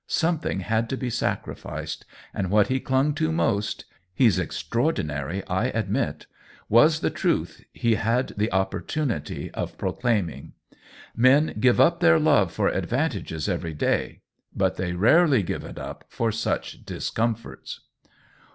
Something had to be sacrificed, and what he clung to most (he's extraordinary, I admit) was the truth he had the opportuni ty of proclaiming. Men give up their love for advantages every day, but they rarely give it up for such discomforts.